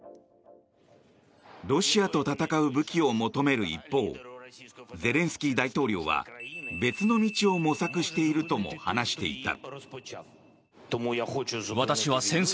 ロシアと戦う武器を求める一方ゼレンスキー大統領は別の道を模索しているとも話していた。